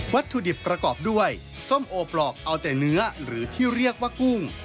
ถุดิบประกอบด้วยส้มโอปลอกเอาแต่เนื้อหรือที่เรียกว่ากุ้ง